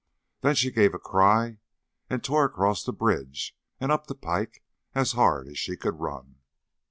Then she gave a cry, and tore across the bridge and up the 'pike as hard as she could run.